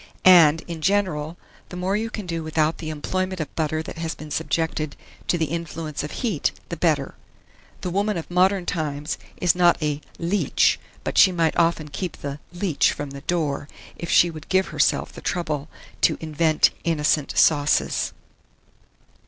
And, in general, the more you can do without the employment of butter that has been subjected to the influence of heat, the better. The woman of modern times is not a "leech;" but she might often keep the "leech" from the door, if she would give herself the trouble to invent innocent sauces.